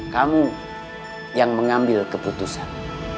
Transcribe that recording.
kamu yang mengambil keputusan